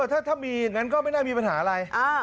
ถ้ามีอย่างนั้นก็ไม่น่ามีปัญหาอะไร